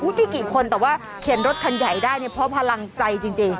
ไม่กี่คนแต่ว่าเขียนรถคันใหญ่ได้เนี่ยเพราะพลังใจจริง